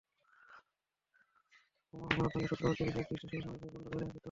বোমা হামলার আতঙ্কে শুক্রবার প্যারিসের একটি রেলস্টেশন সাময়িকভাবে বন্ধ করে দেয় কর্তৃপক্ষ।